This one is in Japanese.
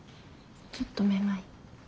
ちょっとめまい。